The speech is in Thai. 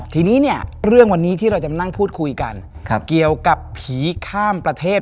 ทีนี้เนี่ยเรื่องวันนี้ที่เราจะมานั่งพูดคุยกันเกี่ยวกับผีข้ามประเทศ